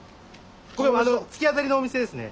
あの突き当たりのお店ですね。